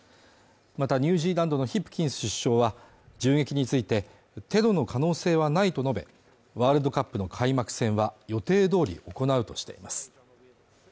またニュージーランドのヒプキンス首相は、銃撃について、テロの可能性はないと述べ、ワールドカップの開幕戦は予定通り行うとしています。